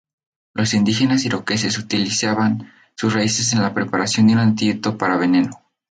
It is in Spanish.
Los indígenas iroqueses utilizaban sus raíces en la preparación de un antídoto para veneno.